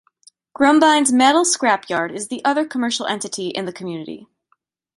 Grumbine's Metal Scrap Yard is the other commercial entity in the community.